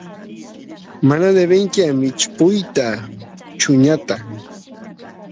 mana debenki mishpuyta chuñuta